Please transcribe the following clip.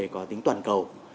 có tính toàn cầu